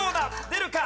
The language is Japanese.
出るか？